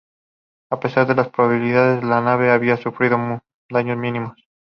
A pesar de las probabilidades, la nave había sufrido daños mínimos.